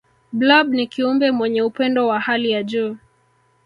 blob ni kiumbe mwenye upendo wa hali ya juu